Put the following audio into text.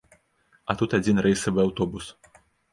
А тут адзін рэйсавы аўтобус.